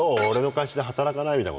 俺の会社で働かない？」